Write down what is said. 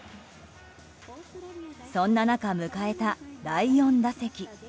そんな中迎えた第４打席。